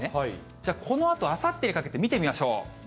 じゃあこのあと、あさってにかけて見てみましょう。